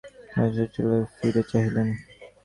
রাজা সচকিত হইয়া ধ্রুবের দিকে ফিরিয়া চাহিলেন।